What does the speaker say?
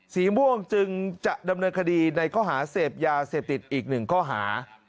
สีม่วงจึงจะดำเนินคดีในข้อหาเสพยาเสพติดอีกหนึ่งข้อหา